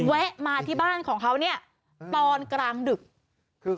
แวะมาที่บ้านของเขาเนี่ยตอนกลางดึก